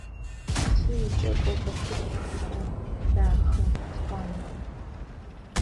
Сшы икӏэко зэпылъ кӏэ, дахэ, шхъуантӏэ.